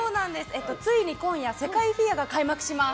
ついに今夜世界フィギュアが開幕します。